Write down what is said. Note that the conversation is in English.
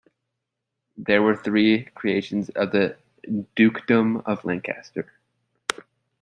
There were three creations of the Dukedom of Lancaster.